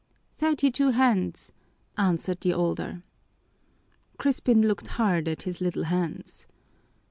"Thirty two hands," answered the older. Crispin looked hard at his little hands.